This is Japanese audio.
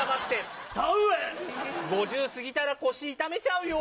５０過ぎたら腰痛めちゃうよ。